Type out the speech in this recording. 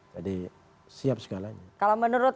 jadi siap segalanya kalau menurut